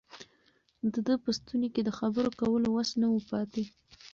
د ده په ستوني کې د خبرو کولو وس نه و پاتې.